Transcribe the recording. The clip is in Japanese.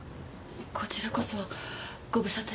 こちらこそご無沙汰して。